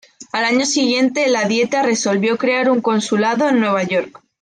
Al año siguiente, la Dieta resolvió crear un consulado en Nueva York.